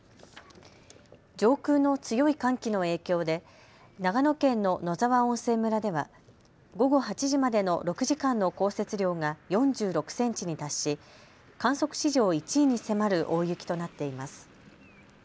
上空の強い寒気の影響で長野県の野沢温泉村では午後８時までの６時間の降雪量が４６センチに達し観測史上１位に迫る大雪となっています。